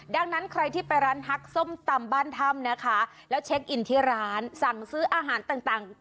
ดังนั้นใครที่ไปร้านฮักส้มตำบ้านถ้ำนะคะแล้วเช็คอินที่ร้านสั่งซื้ออาหารต่าง